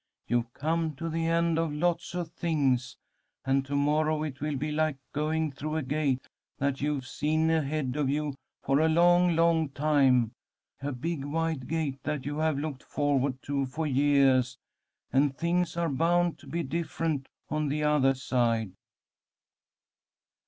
You've come to the end of lots of things, and to morrow it will be like going through a gate that you've seen ahead of you for a long, long time. A big, wide gate that you have looked forward to for yeahs, and things are bound to be different on the othah side."